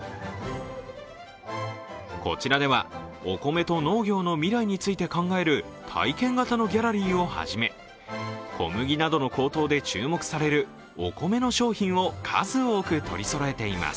こちらでは、お米と農業の未来について考える体験型のギャラリーをはじめ小麦などの高騰で注目されるお米の商品を数多く取りそろえています。